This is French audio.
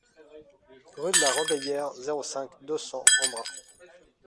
Rue de la Robéyère, zéro cinq, deux cents Embrun